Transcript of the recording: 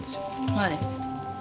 はい。